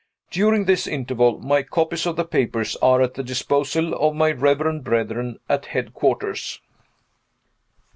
During this interval, my copies of the papers are at the disposal of my reverend brethren at headquarters.